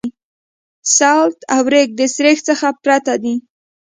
سلټ او ریګ د سریښ څخه پرته دي